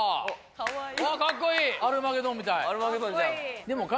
かわいい。